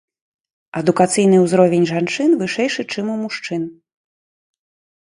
Адукацыйны ўзровень жанчын вышэйшы, чым у мужчын.